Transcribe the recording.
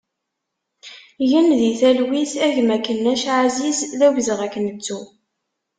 Gen di talwit a gma Kennac Aziz, d awezɣi ad k-nettu!